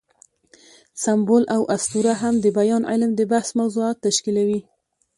سمبول او اسطوره هم د بیان علم د بحث موضوعات تشکیلوي.